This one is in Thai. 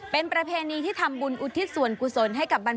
เป็นประเพณีที่ทำบุญอุทิศส่วนกุศลให้กับบรร